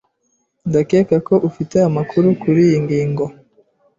Ndakeka ko ufite amakuru kuriyi ngingo.